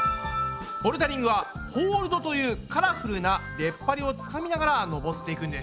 ボルダリングは「ホールド」というカラフルなでっぱりをつかみながら登っていくんです。